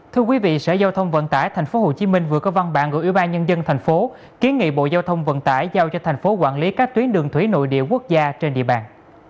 thưa quý vị sở giao thông vận tải tp hcm vừa có văn bản gửi ủy ban nhân dân tp hcm kiến nghị bộ giao thông vận tải giao cho thành phố quản lý các tuyến đường thủy nội địa quốc gia trên địa bàn